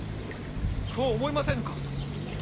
そう思いませぬか？